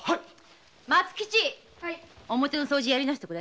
松吉掃除やり直しておくれ。